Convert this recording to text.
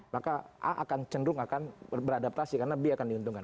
maka a akan cenderung akan beradaptasi karena b akan diuntungkan